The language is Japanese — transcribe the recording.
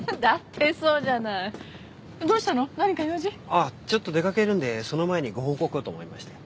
あっちょっと出かけるんでその前にご報告をと思いまして。